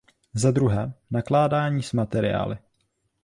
Zadruhé, nakládání s materiály.